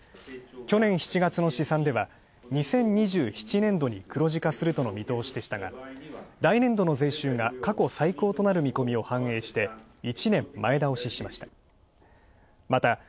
去年７月の試算では、２０２７年度に黒字化するとの見通しでしたが来年度の税収が過去最高となる見込みを反映して、１年、前倒ししました。